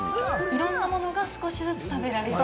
いろんなものが少しずつ食べられそう。